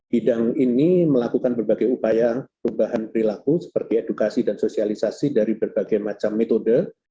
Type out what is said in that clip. bidang ini melakukan berbagai upaya perubahan perilaku seperti edukasi dan sosialisasi dari berbagai macam metode